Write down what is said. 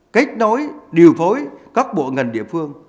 kết nối điều phối các bộ ngành địa phương